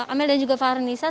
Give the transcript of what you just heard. amel dan juga fahra nisa